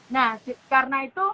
nah karena itu